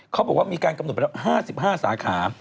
เขาบอกว่ามีการกำหนด๕๕สาขา